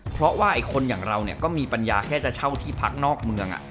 เพราะว่าคนอย่างเราก็มีปัญญาแค่จะเช่าที่พักนอกเมือง